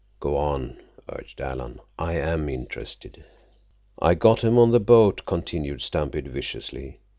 "Go on," urged Alan. "I'm interested." "I got 'em on the boat," continued Stampede viciously.